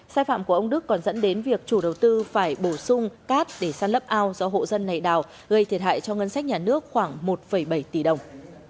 sai phạm của ông đức còn dẫn đến việc chủ đầu tư phải bổ sung cát để săn lấp ao do hộ dân này đào gây thiệt hại cho ngân sách nhà nước khoảng một bảy tỷ đồng